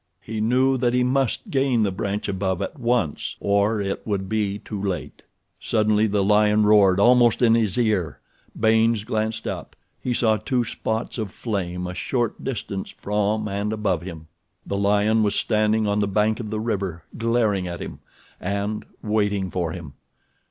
He knew that he must gain the branch above at once or it would be too late. Suddenly the lion roared almost in his ear. Baynes glanced up. He saw two spots of flame a short distance from and above him. The lion was standing on the bank of the river glaring at him, and—waiting for him.